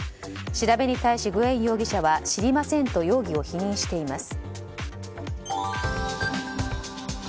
調べに対しグエン容疑者は知りませんと容疑を否認しています。